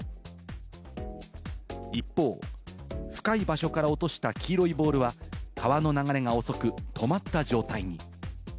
一方、深い場所から落とした黄色いボールは川の流れが遅く、止まった状態に。